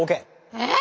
えっ？